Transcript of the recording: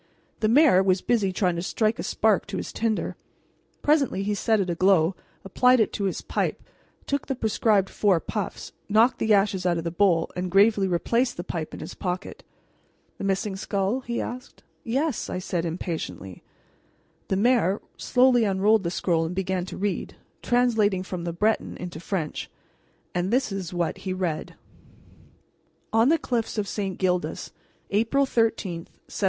The mayor was busy trying to strike a spark to his tinder. Presently he set it aglow, applied it to his pipe, took the prescribed four puffs, knocked the ashes out of the bowl, and gravely replaced the pipe in his pocket. "The missing skull?" he asked. "Yes," said I, impatiently. The mayor slowly unrolled the scroll and began to read, translating from the Breton into French. And this is what he read: "ON THE CLIFFS OF ST. GILDAS, APRIL 13, 1760.